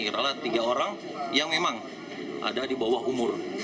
adalah tiga orang yang memang ada di bawah umur